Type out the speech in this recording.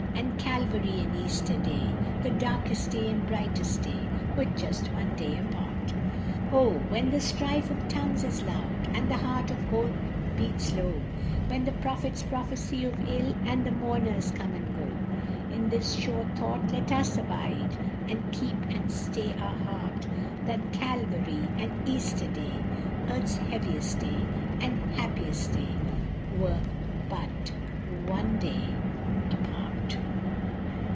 And Calvary and Easter Day, The darkest day and brightest day, Were just one day apart ! Oh, when the strife of tongues is loud, And the heart of hope beats low, When the prophets prophesy of ill, And the mourners come and go, In this sure thought let us abide, And keep and stay our heart, That Calvary and Easter Day, Earth s heaviest day and happiest day, Were but one day apart